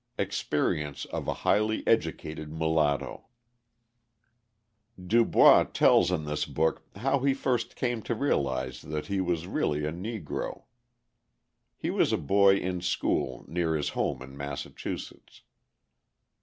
Experience of a Highly Educated Mulatto DuBois tells in this book how he first came to realise that he was really a Negro. He was a boy in school near his home in Massachusetts.